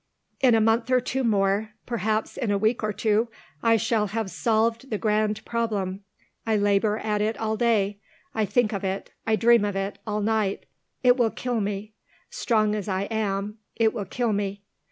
In a month or two more perhaps in a week or two I shall have solved the grand problem. I labour at it all day. I think of it, I dream of it, all night. It will kill me. Strong as I am, it will kill me.